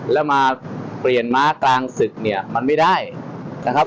แล้วมาเปลี่ยนม้ากลางศึกเนี่ยมันไม่ได้นะครับ